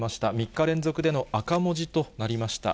３日連続での赤文字となりました。